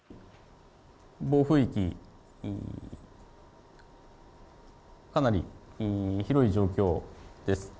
暴風域、かなり広い状況です。